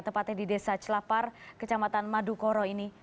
tepatnya di desa celapar kecamatan madukoro ini